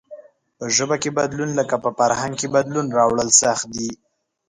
په ژبه کې بدلون لکه په فرهنگ کې بدلون راوړل سخت دئ.